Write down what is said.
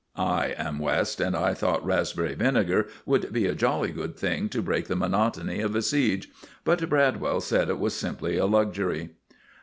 (I am West, and I thought raspberry vinegar would be a jolly good thing to break the monotony of a siege. But Bradwell said it was simply a luxury.)